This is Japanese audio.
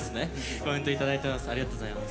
コメントいただいてます。